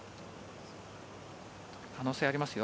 可能性ありますよ。